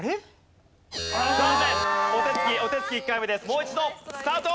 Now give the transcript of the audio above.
もう一度スタート！